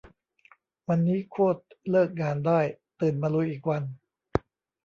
วันนี้ โคตร เลิกงานได้ ตื่นมาลุยอีกวัน